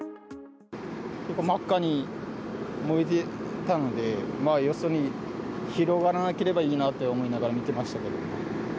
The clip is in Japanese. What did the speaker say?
結構真っ赤に燃えてたので、よそに広がらなければいいなと思いながら見てましたけど。